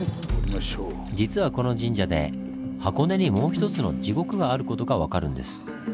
実はこの神社で箱根にもう一つの地獄がある事が分かるんです。